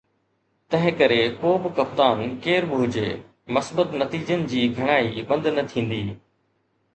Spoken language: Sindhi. تنهن ڪري ڪو به ڪپتان ڪير به هجي، مثبت نتيجن جي گهڻائي بند نه ٿيندي